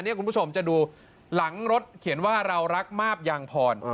คุณผู้ชมจะดูหลังรถเขียนว่าเรารักมาบยางพร